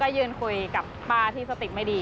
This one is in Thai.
ยืนคุยกับป้าที่สติไม่ดี